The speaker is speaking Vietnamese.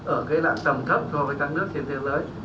ở tầm thấp so với các nước trên thế giới